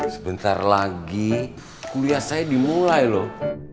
sebentar lagi kuliah saya dimulai loh